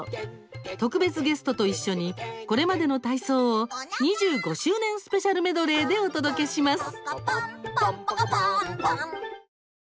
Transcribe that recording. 特別ゲストと一緒にこれまでの体操を２５周年スペシャルメドレーでお届けします。